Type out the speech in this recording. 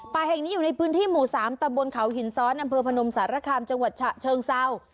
แห่งนี้อยู่ในพื้นที่หมู่๓ตะบนเขาหินซ้อนอำเภอพนมสารคามจังหวัดฉะเชิงเศร้า